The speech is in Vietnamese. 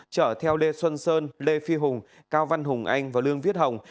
chở theo lê xuân sơn lê phi hùng cao văn hùng anh và lương viết hồng